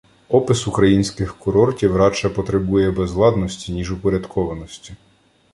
Опис українських курортів радше потребує безладності, ніж упорядкованості